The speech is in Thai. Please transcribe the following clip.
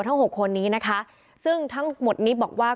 หกคนนี้นะคะซึ่งทั้งหมดนี้บอกว่า